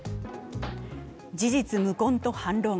事実無根と反論。